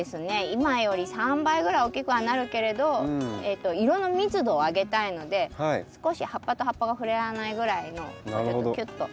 今より３倍ぐらい大きくはなるけれど色の密度を上げたいので少し葉っぱと葉っぱが触れ合わないぐらいのもうちょっとキュッと。